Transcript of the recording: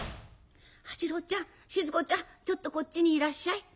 「八郎ちゃん静子ちゃんちょっとこっちにいらっしゃい。